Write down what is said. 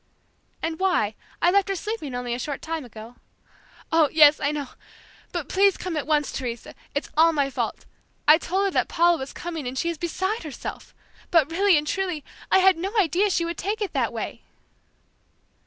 "And why? I left her sleeping only a short time ago." "Oh, yes, I know; but please come at once, Teresa! It's all my fault! I told her that Paula was coming and she is beside herself! But really and truly I had no idea that she would take it that way!"